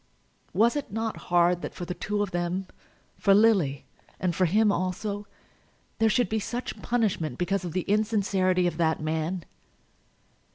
Was it not hard that for the two of them, for Lily and for him also, there should be such punishment because of the insincerity of that man?